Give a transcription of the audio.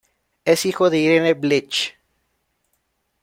Es hijo de Irene Bleach.